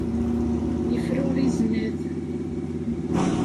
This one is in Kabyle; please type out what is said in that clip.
Yefruri zznad.